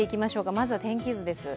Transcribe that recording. まずは天気図です。